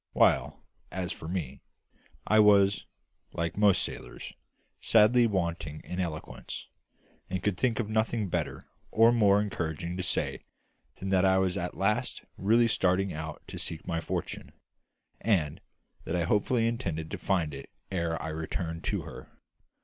While, as for me, I was like most sailors sadly wanting in eloquence, and could think of nothing better or more encouraging to say than that I was at last really starting out to seek my fortune, and that I fully intended to find it ere I returned to her.